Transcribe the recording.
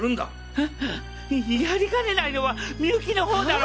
えっやりかねないのはみゆきの方だろ。